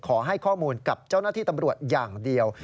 ขอให้ข้อมูลกับเจ้าหน้าที่ตำรวจอย่างเดียว